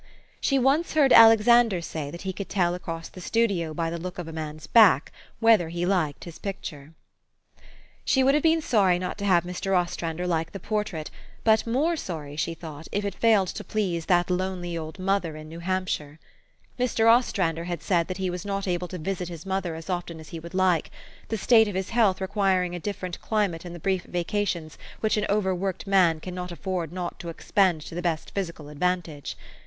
She once heard Alexander say that he could tell across the studio, by the look of a man's back, whether he liked his picture. 110 THE STORY OF AVIS. She would have been sorry not to have Mr. Os trander like the portrait, but more sorry, she thought, if it failed to please that lonely old mother in New Hampshire. Mr. Ostrander had said that he was not able to visit his mother as often as he would like ; the state of his health requiring a different climate in the brief vacations which an over worked man cannot afford not to expend to the best physi cal advantage.